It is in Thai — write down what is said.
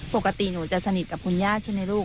ปกติหนูจะสนิทกับคุณย่าใช่ไหมลูก